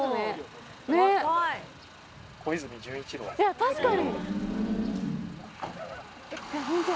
確かに！